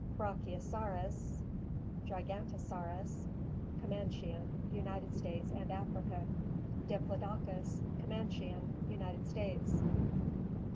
* Brachiosaurus (Gigantosaurus) — Comanchian; United States and Africa. * Diplodocus — Comanchian; United States.